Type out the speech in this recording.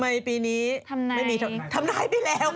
ทำไมปีนี้ทำนายไปแล้วขอบคุณค่ะ